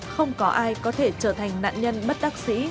không có ai có thể trở thành nạn nhân bất đắc sĩ